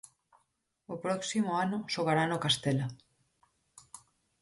O próximo ano xogará no Castela.